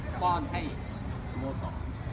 ต้องป้อนให้สโมสร